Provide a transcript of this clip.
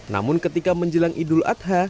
namun ketika menjelang idul adha